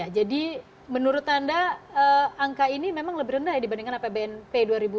jadi menurut anda angka ini memang lebih rendah dibandingkan apbn p dua ribu enam belas